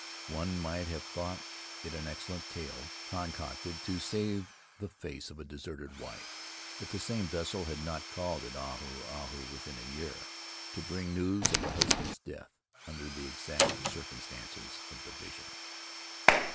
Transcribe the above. One might have thought it an excellent tale, concocted to save the face of a deserted wife, if the same vessel had not called at Ahu Ahu within a year, to bring news of the husband's death under the exact circumstances of the vision.